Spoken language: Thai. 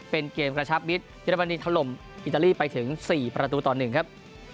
เป็นเกมกระชับมิตรเยอรมนีถล่มอิตาลีไปถึง๔ประตูต่อ๑ครับ